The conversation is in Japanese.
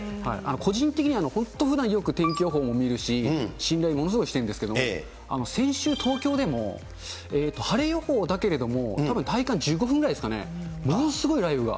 個人的には本当、ふだんよく天気予報も見るし、信頼、ものすごくしてるんですけど、先週、東京でも晴れ予報だけれども、たぶん大体１５分ですかね、ものすごい雷雨が。